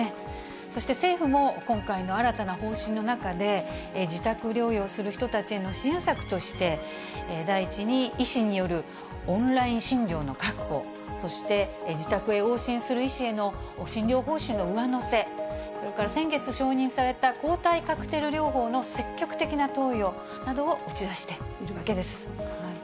そして政府も、今回の新たな方針の中で、自宅療養する人たちへの支援策として、第１に医師によるオンライン診療の確保、そして、自宅へ往診する医師への診療報酬の上乗せ、それから先月承認された、抗体カクテル療法の積極的な投与などを打ち出しているわけです。